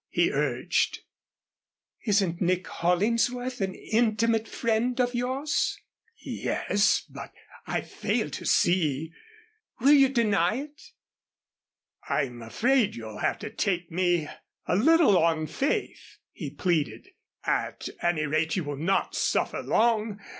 he urged. "Isn't Nick Hollingsworth an intimate friend of yours?" "Yes, but I fail to see " "Will you deny it?" "I'm afraid you'll have to take me a little on faith," he pleaded. "At any rate you will not suffer long.